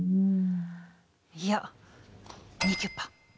いやニーキュッパ！